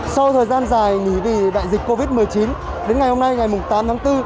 sau thời gian dài nghỉ vì đại dịch covid một mươi chín đến ngày hôm nay ngày tám tháng bốn